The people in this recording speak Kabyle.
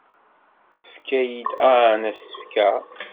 Tefka-iyi-d Ann asefk-a.